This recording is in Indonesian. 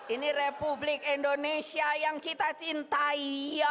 ini republik indonesia yang kita cintai